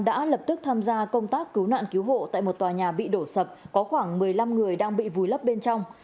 đã lập tức tham gia công tác cứu nạn cứu hộ tại một tòa nhà bị đổ sập có khoảng một mươi năm người đang bị vùi lấp bên trong